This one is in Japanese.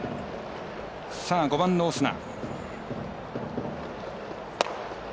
５番のオスナ。